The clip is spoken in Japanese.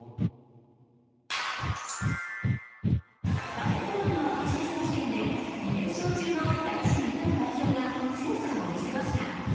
バレーボールのアジア選手権で２連勝中の男子日本代表が強さを見せました。